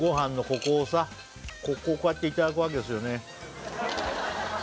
ここをこうやっていただくわけですよね